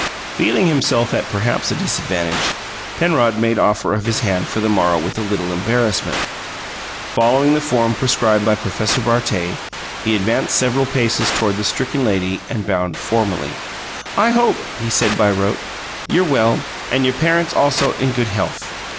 Feeling himself at perhaps a disadvantage, Penrod made offer of his hand for the morrow with a little embarrassment. Following the form prescribed by Professor Bartet, he advanced several paces toward the stricken lady and bowed formally. "I hope," he said by rote, "you're well, and your parents also in good health.